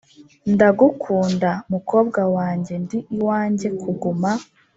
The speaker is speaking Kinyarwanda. "ndagukunda, mukobwa wanjye. ndi iwanjye kuguma."